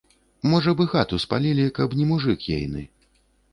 Можа б, і хату спалілі, каб не мужык ейны.